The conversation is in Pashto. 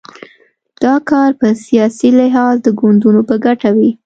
دا کار په سیاسي لحاظ د ګوندونو په ګټه وي.